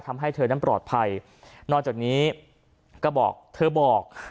ทำให้เธอนั้นปลอดภัยนอกจากนี้ก็บอกเธอบอก